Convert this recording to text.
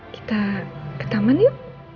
kita ke taman yuk